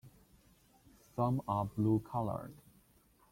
Some are blue colored.